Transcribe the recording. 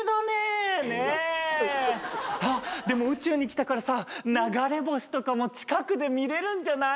あっでも宇宙に来たからさ流れ星とかも近くで見れるんじゃない？